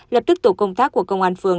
lập tức tổ công tác của công an phường